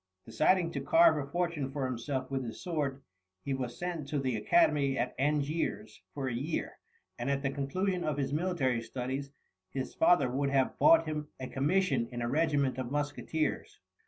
Deciding to carve a fortune for himself with his sword, he was sent to the Academy at Angiers for a year, and at the conclusion of his military studies his father would have bought him a commission in a regiment of musketeers.